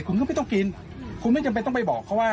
คุณก็ไม่ต้องกินคุณไม่จำเป็นต้องไปบอกเขาว่า